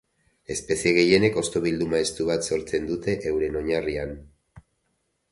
Espezie gehienek hosto bilduma estu bat sortzen dute euren oinarrian.